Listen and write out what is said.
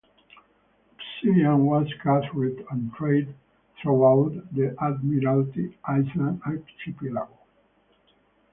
Obsidian was gathered and traded throughout the Admiralty Islands archipelago.